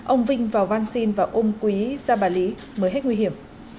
ông vinh vào văn xin và ông quý ra bà lý mới hết nguy hiểm